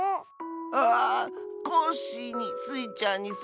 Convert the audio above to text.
ああコッシーにスイちゃんにサボさん。